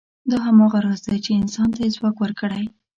دا هماغه راز دی، چې انسان ته یې ځواک ورکړی.